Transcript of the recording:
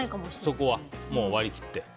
そこはもう割り切って。